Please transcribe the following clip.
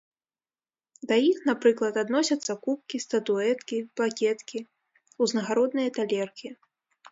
Да іх, напрыклад, адносяцца кубкі, статуэткі, плакеткі, узнагародныя талеркі.